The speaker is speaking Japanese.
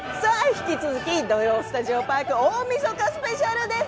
引き続き「土曜スタジオパーク大みそかスペシャル」です。